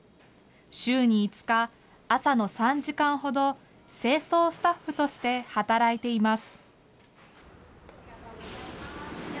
週に５日、朝の３時間ほど、清掃スタッフとして働いています。